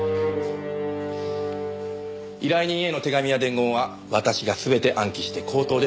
依頼人への手紙や伝言は私が全て暗記して口頭で伝える。